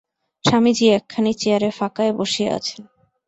স্বামীজী একখানি চেয়ারে ফাঁকায় বসিয়া আছেন।